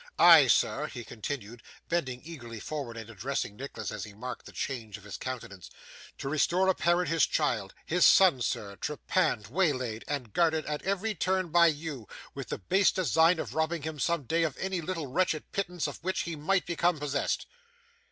Ay, sir,' he continued, bending eagerly forward, and addressing Nicholas, as he marked the change of his countenance, 'to restore a parent his child; his son, sir; trepanned, waylaid, and guarded at every turn by you, with the base design of robbing him some day of any little wretched pittance of which he might become possessed.